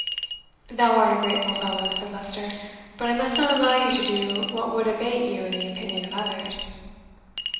"Thou art a grateful fellow," said Leicester; "but I must not allow you to do what would abate you in the opinion of others."